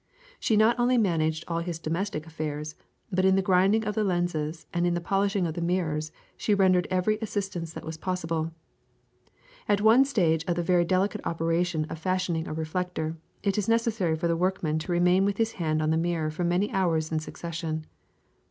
She not only managed all his domestic affairs, but in the grinding of the lenses and in the polishing of the mirrors she rendered every assistance that was possible. At one stage of the very delicate operation of fashioning a reflector, it is necessary for the workman to remain with his hand on the mirror for many hours in succession.